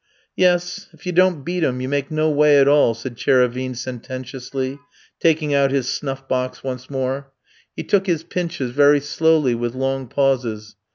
"Yes, if you don't beat 'em you make no way at all," said Tchérévine sententiously, taking out his snuff box once more. He took his pinches very slowly, with long pauses.